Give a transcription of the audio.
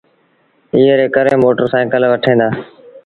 ايئي ري ڪري موٽر سآئيٚڪل وٺيٚن دآ۔